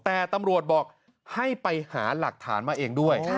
แต่ตำรวจบอกให้ไปหาหลักฐานมาเองด้วย